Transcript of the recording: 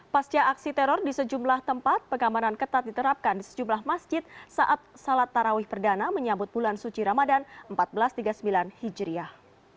pasca aksi teror di sejumlah tempat pengamanan ketat diterapkan di sejumlah masjid saat salat tarawih perdana menyambut bulan suci ramadan seribu empat ratus tiga puluh sembilan hijriah